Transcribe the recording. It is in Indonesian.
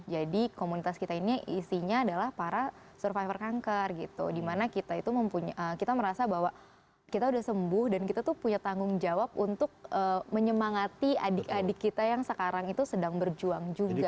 jadi komunitas kita ini isinya adalah para survivor kanker gitu dimana kita itu mempunyai kita merasa bahwa kita udah sembuh dan kita tuh punya tanggung jawab untuk menyemangati adik adik kita yang sekarang itu sedang berjuang juga